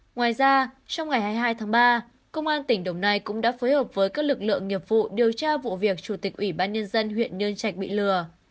ngoài ra trong ngày hai mươi hai tháng ba công an tỉnh đồng nai cũng đã phối hợp với các lực lượng nghiệp vụ điều tra vụ việc chủ tịch ủy ban nhân dân huyện nhơn trạch bị lừa